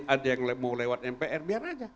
ada yang mau lewat mpr biar aja